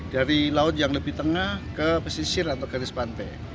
dari laut yang lebih tengah ke pesisir atau garis pantai